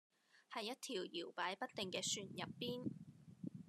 喺一條搖擺不定嘅船入邊